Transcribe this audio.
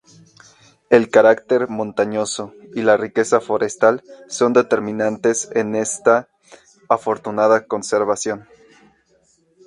El carácter montañoso y la riqueza forestal son determinantes en esta afortunada conservación.